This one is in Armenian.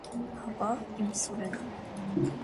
- Հապա՛, իմ Սուրենին: